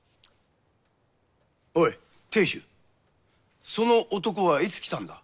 おい亭主その男はいつ来たんだ？